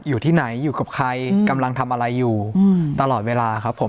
อยู่ที่ไหนอยู่กับใครกำลังทำอะไรอยู่ตลอดเวลาครับผม